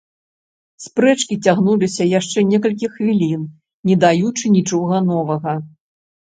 Спрэчкі цягнуліся яшчэ некалькі хвілін, не даючы нічога новага.